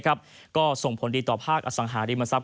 ก็ส่งผลดีต่อภาคอสังหาริมทรัพ